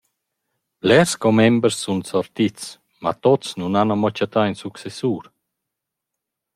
Blers commembers sun sortits, ma tuots nun han chattà ün successur.